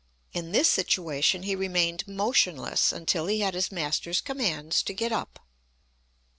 In this situation he remained motionless until he had his master's commands to get up.